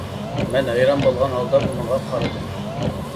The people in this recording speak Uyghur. مەن ھەيران بولغان ھالدا ئۇنىڭغا قارىدىم.